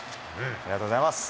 ありがとうございます。